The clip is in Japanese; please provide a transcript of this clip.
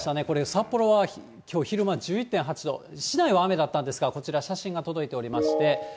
札幌はきょう昼間、１１．８度、市内は雨だったんですが、こちら写真が届いておりまして。